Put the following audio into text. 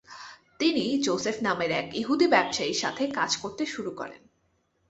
তিনি জোসেফ নামের এক ইহুদি ব্যবসায়ীর সাথে কাজ করতে শুরু করেন।